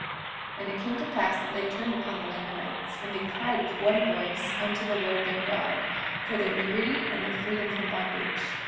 43:49 And it came to pass that they turned upon the Lamanites, and they cried with one voice unto the Lord their God, for their liberty and their freedom from bondage.